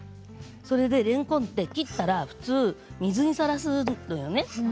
それでれんこんって切ったら普通、水にさらすよね。